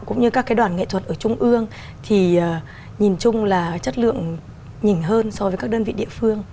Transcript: cũng như các đoàn nghệ thuật ở trung ương thì nhìn chung là chất lượng nhìn hơn so với các đơn vị địa phương